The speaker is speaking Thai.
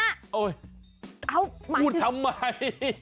เอ้าพูดทำไม